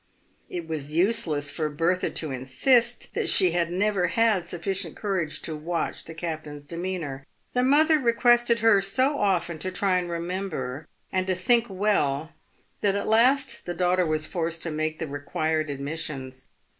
It was useless for Bertha to insist that she had never had sufficient courage to watch the captain's demeanour. The mother requested her so often to try and remember, and to think well, that at last the daughter was forced to make the required admissions.